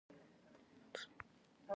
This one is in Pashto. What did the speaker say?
هیواد د خپل هر بچي هيله ده